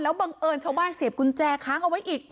บังเอิญชาวบ้านเสียบกุญแจค้างเอาไว้อีก